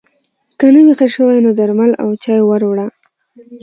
که نه وي ښه شوی نو درمل او چای ور وړه